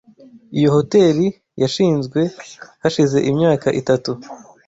Iyo hoteri yashinzwe hashize imyaka itatu.